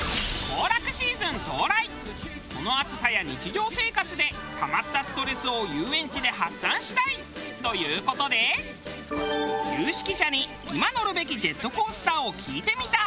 この暑さや日常生活でたまったストレスを遊園地で発散したい！という事で有識者に今乗るべきジェットコースターを聞いてみた。